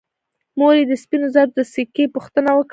مور یې د سپینو زرو د سکې پوښتنه وکړه.